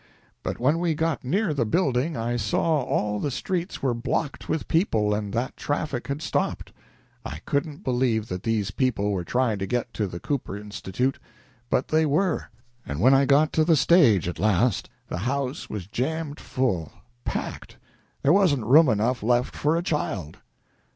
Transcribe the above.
But when we got near the building, I saw all the streets were blocked with people and that traffic had stopped. I couldn't believe that these people were trying to get to the Cooper Institute but they were; and when I got to the stage, at last, the house was jammed full packed; there wasn't room enough left for a child.